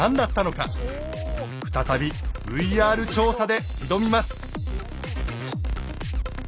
再びＶＲ調査で挑みます。